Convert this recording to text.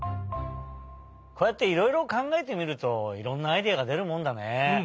こうやっていろいろかんがえてみるといろんなアイデアがでるもんだね。